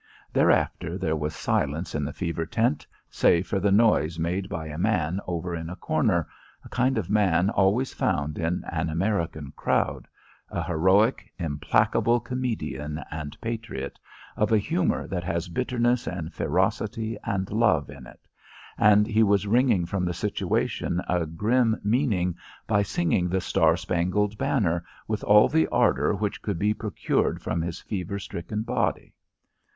Thereafter there was silence in the fever tent, save for the noise made by a man over in a corner a kind of man always found in an American crowd a heroic, implacable comedian and patriot, of a humour that has bitterness and ferocity and love in it, and he was wringing from the situation a grim meaning by singing the "Star Spangled Banner" with all the ardour which could be procured from his fever stricken body.